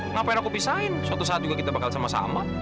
ngapain aku pisahin suatu saat juga kita bakal sama sama